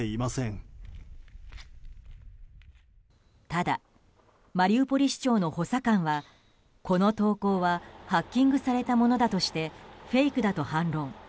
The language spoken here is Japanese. ただマリウポリ市長の補佐官はこの投稿はハッキングされたものだとしてフェイクだと反論。